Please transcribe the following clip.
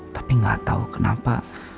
tapi gak tau kenapa